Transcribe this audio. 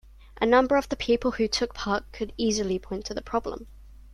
A number of the people who took part could easily point to the problem